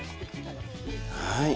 はい。